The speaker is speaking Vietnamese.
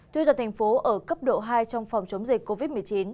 tuyên tập thành phố ở cấp độ hai trong phòng chống dịch covid một mươi chín